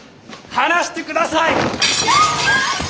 放してください！